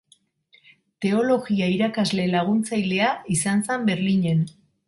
Teologia irakasle-laguntzailea izan zen Berlinen.